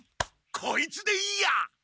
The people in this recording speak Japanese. こいつでいいや！